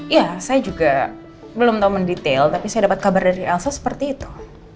ya saya juga belum tahu mendetail tapi saya dapat kabar dari elsa seperti itu